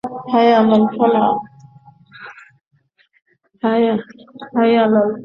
সেখানে ছবি দুটির গানের দৃশ্যের পাশাপাশি বেশ কয়েকটি দৃশ্যের শুটিং করা হবে।